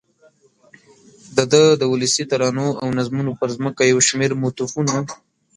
دده د ولسي ترانو او نظمونو پر ځمکه یو شمېر موتیفونه